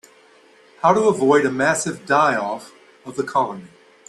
How to avoid a massive die-off of the colony.